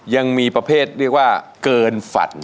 ยังมีประเภทเรียกว่าเกินฝัน